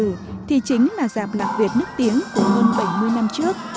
mà sân khấu năm mươi đảo duy tử thì chính là dạp lạc việt nước tiếng của hơn bảy mươi năm trước